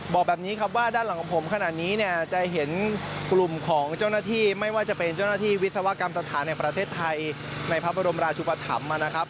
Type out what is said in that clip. บอกแบบนี้ครับว่าด้านหลังของผมขนาดนี้เนี่ยจะเห็นกลุ่มของเจ้าหน้าที่ไม่ว่าจะเป็นเจ้าหน้าที่วิศวกรรมสถานแห่งประเทศไทยในพระบรมราชุปธรรมนะครับ